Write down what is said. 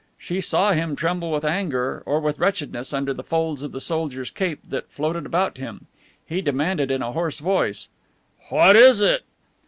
She saw him tremble with anger or with wretchedness under the folds of the soldier's cape that floated about him. He demanded in a hoarse voice, "What is it?"